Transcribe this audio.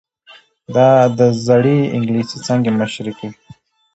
دا د زړې انګلیسي څانګې مشري کوي.